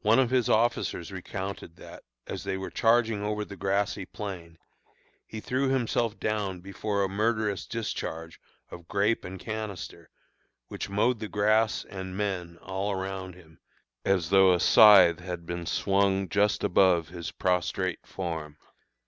One of his officers recounted, that, as they were charging over the grassy plain, he threw himself down before a murderous discharge of grape and canister, which mowed the grass and men all around him, as though a scythe had been swung just above his prostrate form.